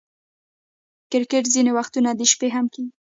کرکټ ځیني وختونه د شپې هم کیږي.